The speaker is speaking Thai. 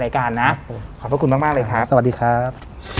รายการนะครับขอบคุณมากมากเลยครับสวัสดีครับ